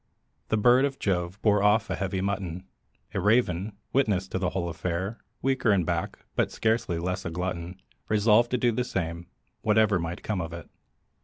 The bird of Jove bore off a heavy "mutton;" A Raven, witness of the whole affair, Weaker in back, but scarcely less a glutton, Resolved to do the same, whate'er Might come of it.